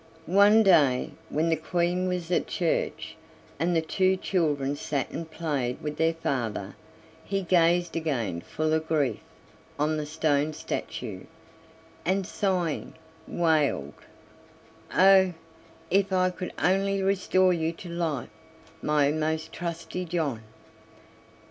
One day when the Queen was at church, and the two children sat and played with their father, he gazed again full of grief on the stone statue, and sighing, wailed: "Oh, if I could only restore you to life, my most trusty John!"